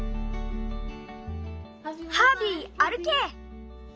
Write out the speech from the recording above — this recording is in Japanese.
ハービーあるけ！